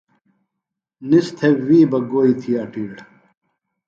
نِس تھےۡ وی بہ گوئی تھی اٹِیڑ۔